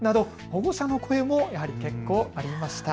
保護者の声もやはり結構、ありました。